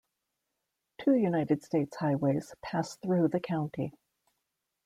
Two United States highways pass through the county.